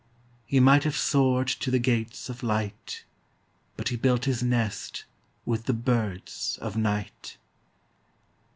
He might have soared to the gates of light, But he built his nest With the birds of night.